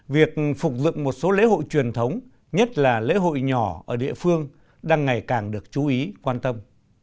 việc phục dựng một số lễ hội truyền thống nhất là lễ hội nhỏ ở địa phương đang ngày càng được chú ý quan tâm